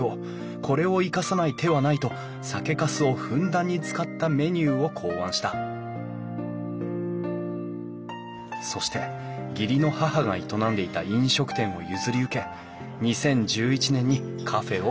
これを生かさない手はないと酒かすをふんだんに使ったメニューを考案したそして義理の母が営んでいた飲食店を譲り受け２０１１年にカフェをオープン。